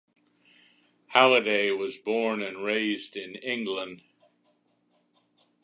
Halliday was born and raised in England.